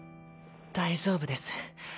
大丈夫です